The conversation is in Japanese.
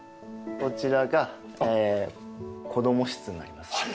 こちらが子供室になります。